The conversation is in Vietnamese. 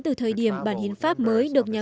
từ thời điểm bản hiến pháp mới được nhằm